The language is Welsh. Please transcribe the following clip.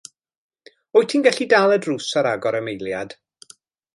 Wyt ti'n gallu dal y drws ar agor am eiliad?